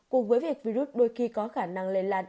cùng với việc virus đôi khi có khả năng lây lan